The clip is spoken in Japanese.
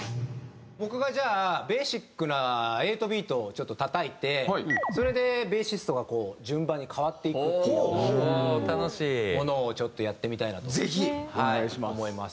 僕がじゃあベーシックな８ビートをちょっと叩いてそれでベーシストがこう順番に代わっていくっていうものをちょっとやってみたいなと思います。